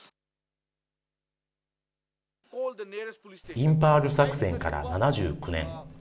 インパール作戦から７９年。